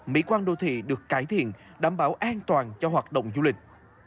mỹ quan đô thị được cải thiện đảm bảo an toàn cho hoạt động du lịch